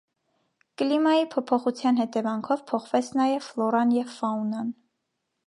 Կլիմայի փոփոխության հետևանքով փոխվեց նաև ֆլորան և ֆաունան։